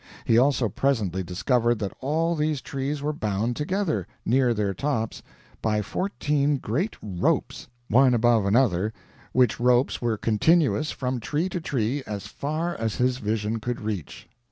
He also presently discovered that all these trees were bound together, near their tops, by fourteen great ropes, one above another, which ropes were continuous, from tree to tree, as far as his vision could reach.